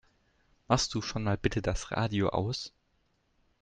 Machst du schon mal bitte das Radio aus?